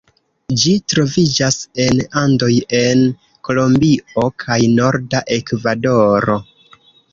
Ĝi troviĝas en Andoj en Kolombio kaj norda Ekvadoro.